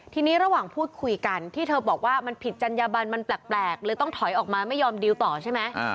ทีนี้ระหว่างพูดคุยกันที่เธอบอกว่ามันผิดจัญญบันมันแปลกเลยต้องถอยออกมาไม่ยอมดีลต่อใช่ไหม